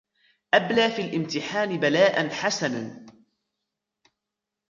أبلى في الامتحان بلاءً حسنا.